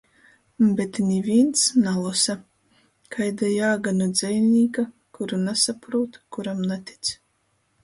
Bet nivīns nalosa. Kaida jāga nu dzejnīka, kuru nasaprūt, kuram natic?